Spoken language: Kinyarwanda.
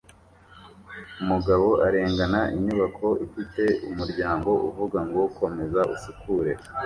Umugabo arengana inyubako ifite umuryango uvuga ngo Komeza usukure